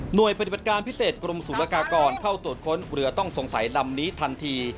โดยปฏิบัติการพิเศษกรมศูนยากากรเข้าตรวจค้นเรือต้องสงสัยลำนี้ทันที